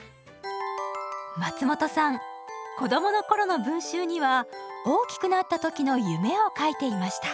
松本さん子供の頃の文集には大きくなった時の夢を書いていました。